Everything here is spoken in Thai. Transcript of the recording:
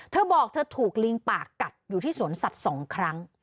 เธอบอกเธอถูกลิงปากกัดอยู่ที่สวนสัตว์๒ครั้ง